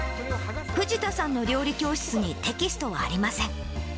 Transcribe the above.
藤田さんの料理教室に、テキストはありません。